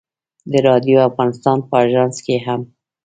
د راډیو افغانستان په اژانس کې هم.